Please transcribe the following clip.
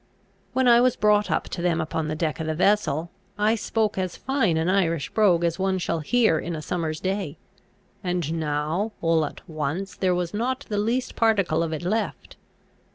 When I was brought up to them upon the deck of the vessel, I spoke as fine an Irish brogue as one shall hear in a summer's day; and now, all at once, there was not the least particle of it left.